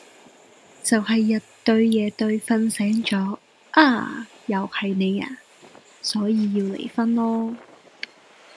就係日對夜對，睡醒咗：啊?又係你啊?所以要離婚囉。